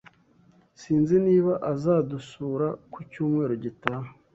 Sinzi niba azadusura ku cyumweru gitaha.